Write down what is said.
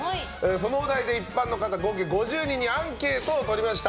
そのお題で一般の方合計５０人にアンケートをとりました。